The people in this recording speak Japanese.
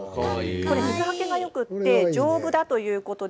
水はけがよくて丈夫だということで